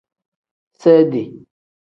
Sedi.